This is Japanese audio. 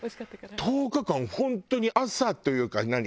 １０日間本当に朝というか何？